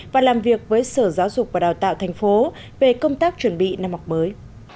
và làm việc với sở giáo dục và đào tạo thành phố về công tác chuẩn bị năm học mới